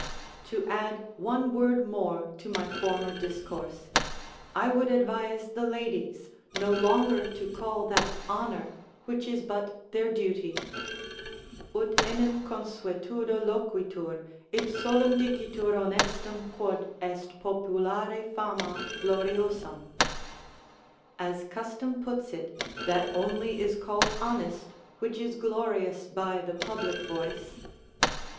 To add one word more to my former discourse, I would advise the ladies no longer to call that honour which is but their duty: "Ut enim consuetudo loquitur, id solum dicitur honestum, quod est populari fama gloriosum;" ["As custom puts it, that only is called honest which is glorious by the public voice."